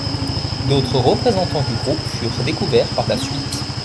D'autres représentants du groupe furent découverts par la suite.